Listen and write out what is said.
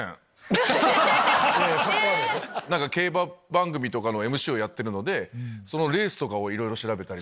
競馬番組とかのＭＣをやってるのでそのレースをいろいろ調べたり。